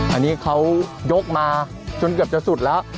อันนี้เขายกมาจนเกือบจะสุดแล้ว